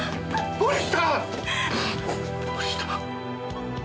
森下！